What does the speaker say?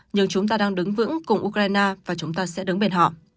nhưng chúng ta đang đứng vững cùng ukraine và chúng ta sẽ đứng bên họ